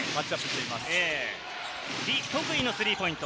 リ・トクイのスリーポイント。